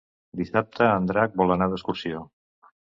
Dissabte en Drac vol anar d'excursió.